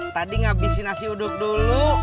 tadi ngabisin nasi uduk dulu